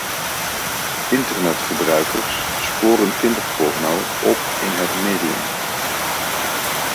Internet-gebruikers sporen kinderporno op in het medium.